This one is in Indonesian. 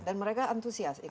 dan mereka antusias ikut